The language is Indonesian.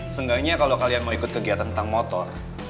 seenggaknya kalau kalian mau ikut kegiatan tentang motor